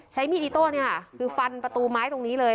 ใช้มีดอิโต้เนี่ยค่ะคือฟันประตูไม้ตรงนี้เลย